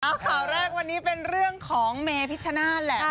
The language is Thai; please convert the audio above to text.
เอาข่าวแรกวันนี้เป็นเรื่องของเมพิชชนาธิ์แหละ